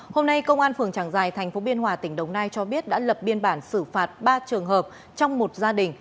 hôm nay công an phường tràng giài tp biên hòa tỉnh đồng nai cho biết đã lập biên bản xử phạt ba trường hợp trong một gia đình